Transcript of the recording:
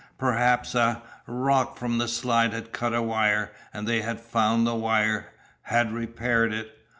Perhaps a, rock from the slide had cut a wire, and they had found the wire had repaired it!